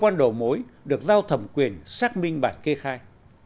quá nhiều cơ quan đầu mối được giao thẩm quyền xác minh bản kê khai